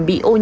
bị ô nhiễu